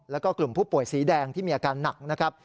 แล้วก็กลุ่มผู้ป่วยสีแดงที่มีอาการหนักนะครับ